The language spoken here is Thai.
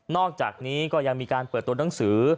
อกจากนี้ก็ยังมีการเปิดตัวหนังสือ